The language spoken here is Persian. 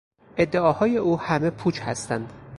ادعاهای او همه پوچ هستند.